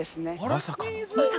まさかの！